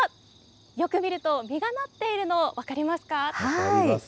よく見ると、実がなっているの分分かります。